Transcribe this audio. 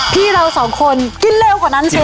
พี่เราสองคนกินเร็วกว่านั้นสิ